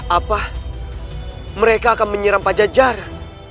apa mereka akan menyerang taja jara